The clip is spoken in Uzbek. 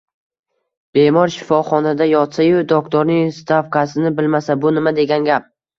Bemor shifoxonada yotsa-yu, doktorning stavkasini bilmasa, bu nima degan gap